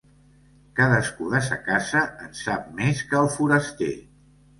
Cadascú de sa casa en sap més que el foraster.